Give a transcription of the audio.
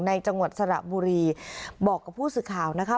จังหวัดสระบุรีบอกกับผู้สื่อข่าวนะคะ